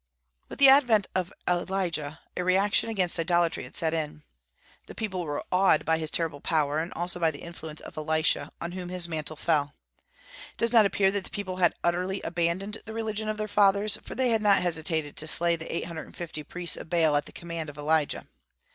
With the advent of Elijah a reaction against idolatry had set in. The people were awed by his terrible power, and also by the influence of Elisha, on whom his mantle fell. It does not appear that the people had utterly abandoned the religion of their fathers, for they had not hesitated to slay the eight hundred and fifty priests of Baal at the command of Elijah.